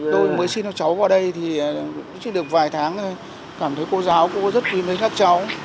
tôi mới xin cho cháu vào đây thì chỉ được vài tháng thôi cảm thấy cô giáo cô rất quý mến các cháu